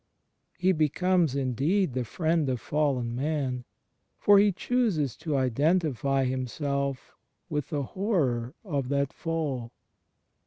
He becomes indeed the Friend of fallen man, for He chooses to identify Himself with the horror of that Fall.